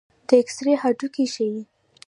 د ایکس رې هډوکي ښيي.